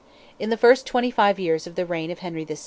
In the first twenty five years of the reign of Henry VI.